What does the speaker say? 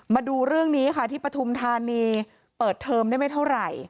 มาดูเรื่องนี้ค่ะที่ปฐุมธานีเปิดเทอมได้ไม่เท่าไหร่